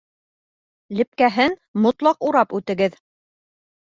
Лепкәһен мотлаҡ урап үтегеҙ!